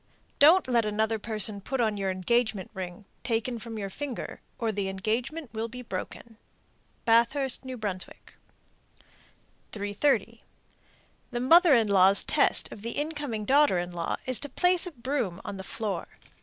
Don't let another person put on your engagement ring, taken from your finger, or the engagement will be broken. Bathurst, N.B. 330. The mother in law's test of the incoming daughter in law is to place a broom on the floor.